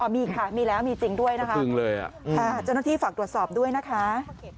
มีค่ะมีแล้วมีจริงด้วยนะคะเจ้าหน้าที่ฝากตรวจสอบด้วยนะคะ